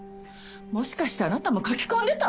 もしかしてあなたも書き込んでた？